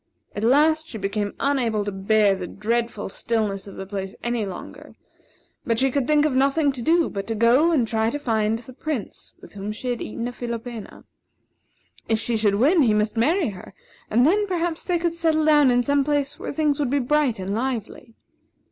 At last, she became unable to bear the dreadful stillness of the place any longer; but she could think of nothing to do but to go and try to find the Prince with whom she had eaten a philopena. If she should win, he must marry her; and then, perhaps, they could settle down in some place where things would be bright and lively.